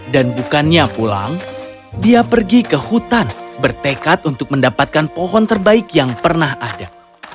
dan bukannya pulang dia pergi ke hutan bertekad untuk mendapatkan pohon terbaik yang pernah ada